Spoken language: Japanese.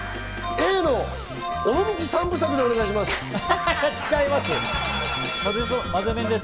Ａの尾道三部作でお願いします。